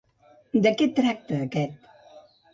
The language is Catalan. De què tracta aquest?